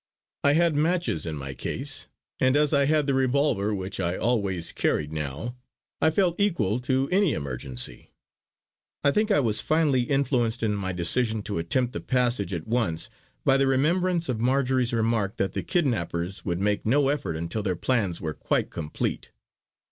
I had matches in my case, and as I had the revolver which I always carried now, I felt equal to any emergency. I think I was finally influenced in my decision to attempt the passage at once by the remembrance of Marjory's remark that the kidnappers would make no effort until their plans were quite complete.